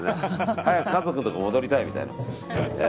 早く家族のところに戻りたいみたいなね。